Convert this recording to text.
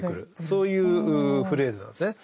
そういうフレーズなんですね。